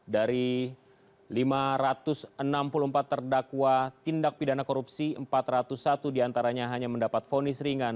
dari lima ratus enam puluh empat terdakwa tindak pidana korupsi empat ratus satu diantaranya hanya mendapat vonis ringan